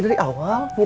sama dia enggak x tiga